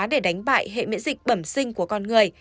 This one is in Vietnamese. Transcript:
để đánh bại hệ miễn dịch bẩm sinh của con người